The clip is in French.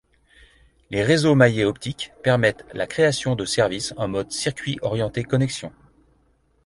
Les réseaux maillés optiques permettent la création de services en mode circuit orientés connexion.